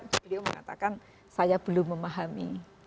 beliau mengatakan saya belum memahami